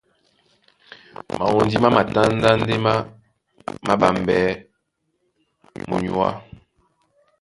Mawondi má matándá ndé má māɓambɛɛ́ munyuá.